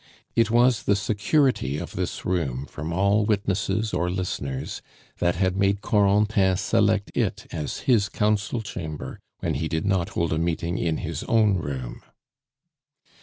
It was the security of this room from all witnesses or listeners that had made Corentin select it as his council chamber when he did not hold a meeting in his own room.